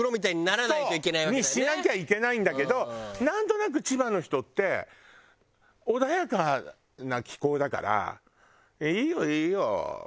そう！にしなきゃいけないんだけどなんとなく千葉の人って穏やかな気候だから「いいよいいよ。